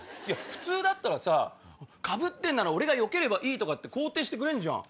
普通だったらさ「かぶってんなら俺がよければいい！」とか肯定してくれんじゃん！